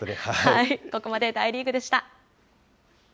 ここまで大リーグでした。